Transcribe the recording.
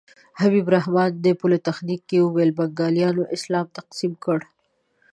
حبیب الرحمن په پولتخنیک کې وویل بنګالیانو اسلام تقسیم کړ.